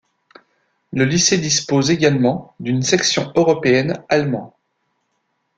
Le lycée dispose également d'une Section européenne allemand.